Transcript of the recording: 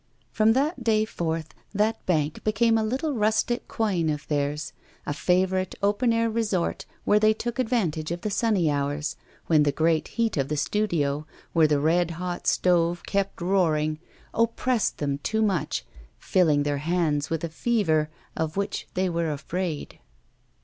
From that day forth that bank became a little rustic coign of theirs, a favourite open air resort, where they took advantage of the sunny hours, when the great heat of the studio, where the red hot stove kept roaring, oppressed them too much, filling their hands with a fever of which they were afraid.